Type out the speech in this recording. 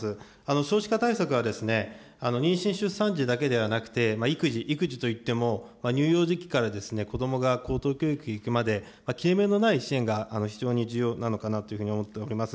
少子化対策は、妊娠出産時だけではなくて、育児、育児といっても乳幼児期から子どもが高等教育に行くまで切れ目のない支援が非常に重要なのかなと思っております。